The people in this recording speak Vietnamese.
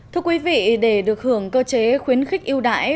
thưa quý vị để được hưởng cơ chế khuyến khích yêu đại